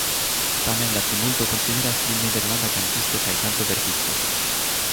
Tamen la plimulto konsideras lin nederlanda kantisto kaj kantoverkisto.